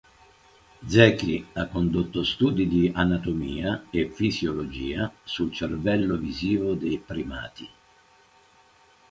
Zeki ha condotto studi di anatomia e fisiologia sul cervello visivo dei primati.